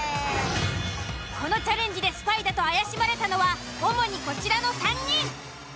このチャレンジでスパイだと怪しまれたのは主にこちらの３人。